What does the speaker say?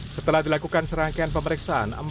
setelah dilakukan serangkaian pemeriksaan